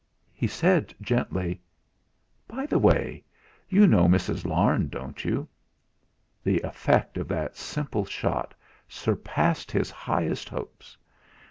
he said gently: "By the way, you know Mrs. Larne, don't you?" The effect of that simple shot surpassed his highest hopes.